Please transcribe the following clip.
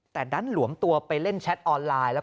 แต่ดันหลวมตัวไปเล่นแชทออนไลน์แล้ว